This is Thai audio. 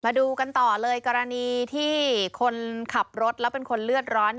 มาดูกันต่อเลยกรณีที่คนขับรถแล้วเป็นคนเลือดร้อน